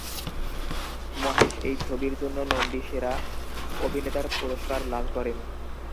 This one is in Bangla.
মহেশ এই ছবির জন্য নন্দী সেরা অভিনেতার পুরস্কার লাভ করেন।